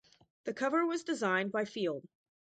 The cover was designed by Field.